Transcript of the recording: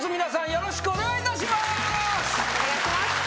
よろしくお願いします。